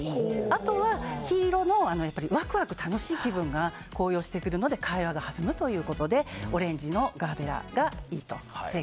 あとは黄色のワクワク楽しい気分が高揚してくるので会話が弾むということでオレンジのガーベラがいいと。